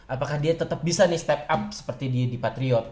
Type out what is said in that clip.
apakah dia tetep bisa step up seperti di patriot